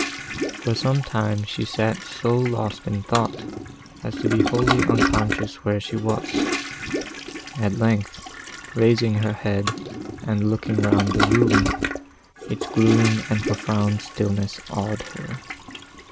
For some time she sat so lost in thought, as to be wholly unconscious where she was; at length, raising her head, and looking round the room, its gloom and profound stillness awed her.